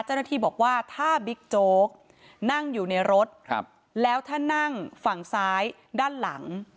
เจ้าหน้าที่บอกว่าถ้าบิ๊กโจ๊กนั่งอยู่ในรถแล้วถ้านั่งฝั่งซ้ายด้านหลัง